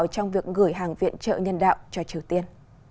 trong việc gửi hàng viện trợ nhân đạo cho triều tiên